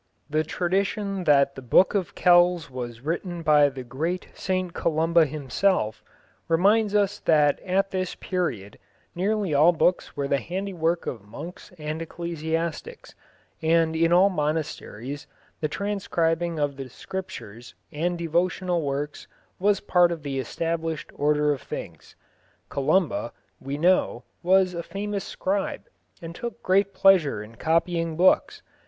The tradition that the Book of Kells was written by the great St Columba himself, reminds us that at this period nearly all books were the handiwork of monks and ecclesiastics, and in all monasteries the transcribing of the Scriptures and devotional works was part of the established order of things. Columba, we know, was a famous scribe, and took great pleasure in copying books.